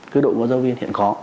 cái đội ngũ giáo viên hiện có